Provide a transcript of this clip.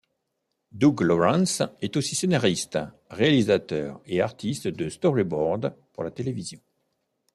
Doug Lawrence est aussi scénariste, réalisateur et artiste de storyboard pour la télévision.